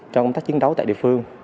trong công tác chiến đấu tại địa phương